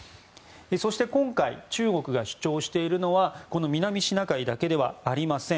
そして、今回中国が主張しているのはこの南シナ海だけではありません。